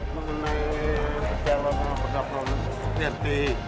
mengenai jalan bergabung rt